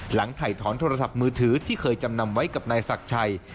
หลังถ่ายถอนโทรศัพท์มือถือที่เคยจำนำไว้กับนายศักดิ์ชัย